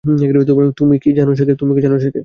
তুমি কি জান, সে কে?